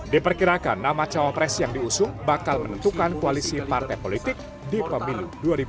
diperkirakan nama cawapres yang diusung bakal menentukan koalisi partai politik di pemilu dua ribu dua puluh